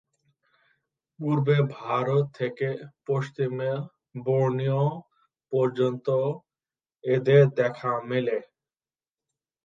পূর্বে ভারত থেকে পশ্চিমে বোর্নিও পর্যন্ত এদের দেখা মেলে।